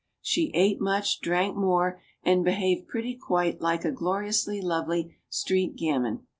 She ate much, drank more, and be haved pretty quite like a gloriously lovely street gamin.